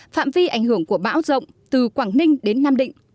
phạm vi ảnh hưởng của bão rộng từ quảng ninh đến nam định